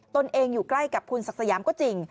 ตนเองอยู่ใกล้กับคุณศักดิ์สยามก็จริง